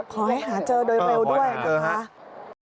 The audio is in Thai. ขอให้หาเจอโดยเร็วด้วยนะคะ